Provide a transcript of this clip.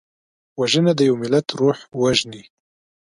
وژنه د یو ملت روح وژني